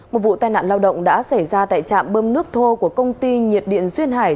một vụ tai nạn lao động đã xảy ra tại trạm bơm nước thô của công ty nhiệt điện duyên hải